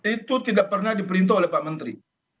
itu tidak pernah diperintah oleh pak menteri